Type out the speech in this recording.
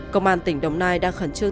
công an tỉnh đồng nai đang khẩn trương